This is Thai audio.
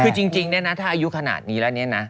คือจริงเนี่ยนะถ้าอายุขนาดนี้แล้วเนี่ยนะ